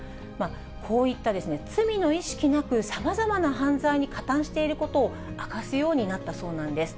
こういった罪の意識なく、さまざまな犯罪に加担していることを明かすようになったそうなんです。